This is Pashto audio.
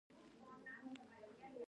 زما ټولګيوال هدايت نن کورته تللی دی.